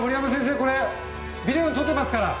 これビデオに撮ってますから。